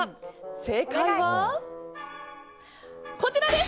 正解は、こちらです！